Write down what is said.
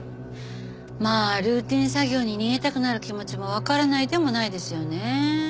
まあルーティン作業に逃げたくなる気持ちもわからないでもないですよね。